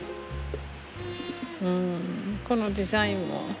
うんこのデザインも。